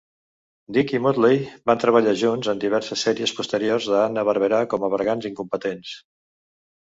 Dick i Muttley van treballar junts en diverses sèries posteriors de Hanna-Barbera com a bergants incompetents.